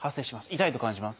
「痛い！」と感じます。